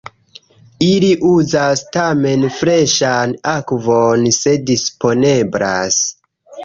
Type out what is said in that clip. Ili uzas tamen freŝan akvon se disponeblas.